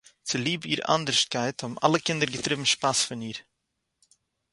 צוליב איר אַנדערשטקייט האָבן אַלע קינדער געטריבן שפּאַס פון איר